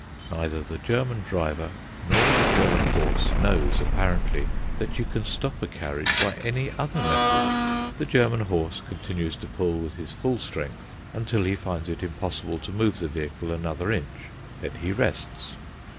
Neither the German driver nor the German horse knows, apparently, that you can stop a carriage by any other method. The German horse continues to pull with his full strength until he finds it impossible to move the vehicle another inch; then he rests.